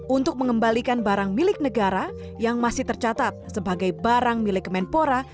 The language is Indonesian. untuk mengembalikan barang milik negara yang masih tercatat sebagai barang milik kemenpora